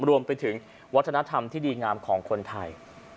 รวมไปถึงวัฒนธรรมที่ดีงามของคนไทย